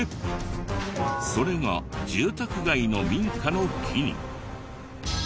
それが住宅街の民家の木に。